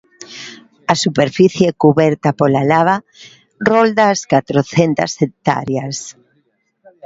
A superficie cuberta pola lava rolda as catrocentas hectáreas.